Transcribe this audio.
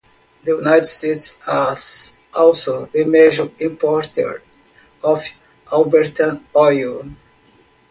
The United States was also the major importer of Albertan oil.